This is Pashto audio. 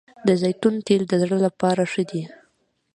د زیتون تېل د زړه لپاره ښه دي